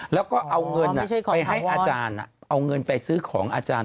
แล้วก็เอาเงินไปให้อาจารย์เอาเงินไปซื้อของอาจารย์